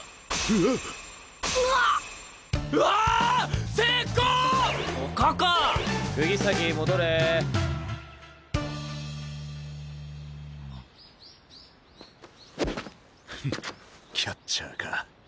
ふっキャッチャーか。